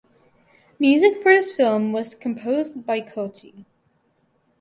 Music for this film was composed by Koti.